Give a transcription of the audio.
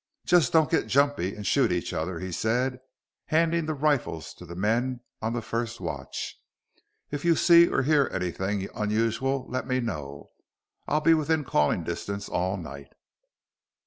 "Just don't get jumpy and shoot each other," he said, handing the rifles to the men on the first watch. "If you see or hear anything unusual, let me know. I'll be within calling distance all night."